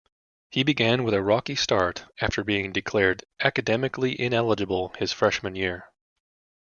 He began with a rocky start after being declared academically ineligible his freshman year.